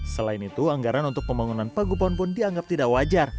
selain itu anggaran untuk pembangunan pagupon pun dianggap tidak wajar